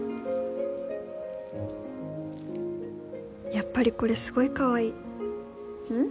やっぱりこれすごいかわいいうん？